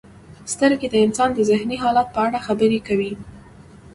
• سترګې د انسان د ذهني حالت په اړه خبرې کوي.